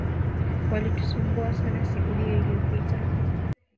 Walitusumbua sana siku hiyo iliyopita